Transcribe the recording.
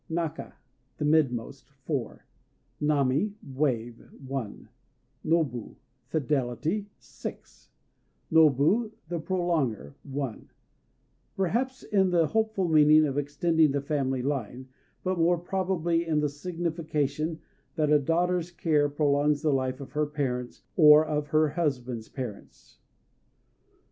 Naka ("The Midmost") 4 Nami ("Wave") 1 Nobu ("Fidelity") 6 Nobu ("The Prolonger") 1 Perhaps in the hopeful meaning of extending the family line; but more probably in the signification that a daughter's care prolongs the life of her parents, or of her husband's parents.